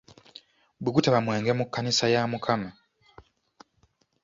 Bwe gutaba mwenge mu kkanisa ya Mukama.